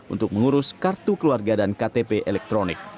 untuk mengurus kartu keluarga dan ktp elektronik